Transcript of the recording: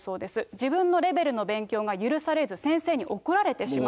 自分のレベルの勉強が許されず、先生に怒られてしまう。